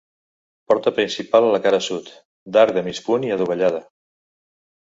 Porta principal a la cara sud, d'arc de mig punt i adovellada.